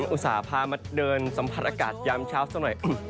อุตส่าห์พามาเดินสัมผัสอากาศยามเช้าสักหน่อย